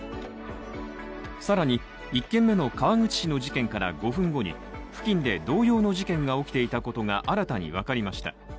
更に、１件目の川口市の事件から５分後に付近で同様の事件が起きていたことが新たに分かりました。